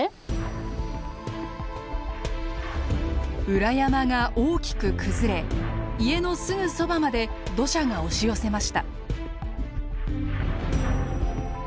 裏山が大きく崩れ家のすぐそばまで土砂が押し寄せました。